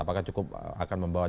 apakah cukup akan membawa